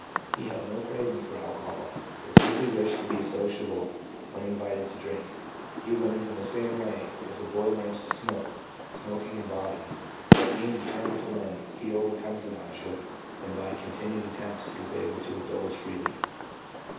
He had no craving for alcohol, but simply wished to be sociable when invited to drink. He learned in the same way as a boy learns to smoke, smoking and vomiting, but being deter mined to learn he overcomes the nausea, and by continued attempts he is able to indulge freely.